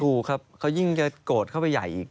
ถูกครับเขายิ่งจะโกรธเข้าไปใหญ่อีก